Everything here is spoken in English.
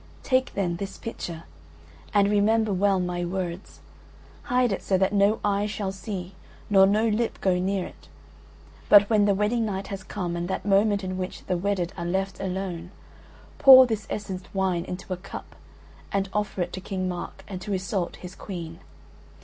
Take then this pitcher and remember well my words. Hide it so that no eye shall see nor no lip go near it: but when the wedding night has come and that moment in which the wedded are left alone, pour this essenced wine into a cup and offer it to King Mark and to Iseult his queen.